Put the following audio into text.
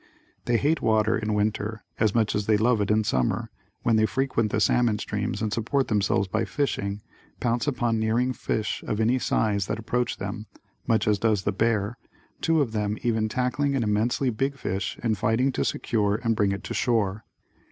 They hate water in winter as much as they love it in summer when they frequent the salmon streams and support themselves by fishing, pounce upon nearing fish of any size that approach them, much as does the bear, two of them even tackling an immensely big fish and fighting to secure and bring it to shore.